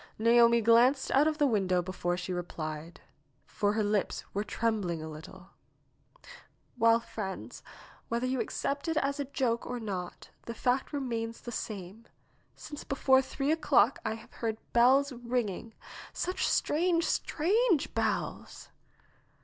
Naomi glanced out of the window before she replied, for her lips were trembling a little. ^'Well, friends, whether you accept it as a joke or not, the fact remains the same. Since before three o'clock I have heard bells ringing; such strange, strange bells